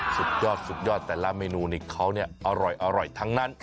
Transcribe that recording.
สุดยอดแต่ร้านเมนูนี้เขาเนี่ยอร่อยทั้งนั้น